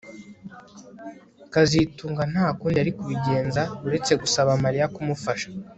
kazitunga nta kundi yari kubigenza uretse gusaba Mariya kumufasha